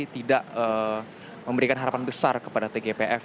tidak memberikan harapan besar kepada tgpf